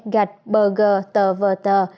gạch bờ gờ tờ vờ tờ